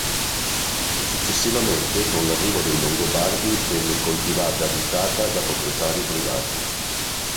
Successivamente, con l'arrivo dei Longobardi, venne coltivata e abitata da proprietari privati.